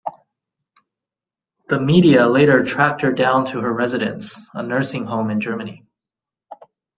The media later tracked her down to her residence, a nursing home in Germany.